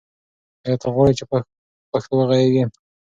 آیا ته غواړې چې په پښتو وغږېږې؟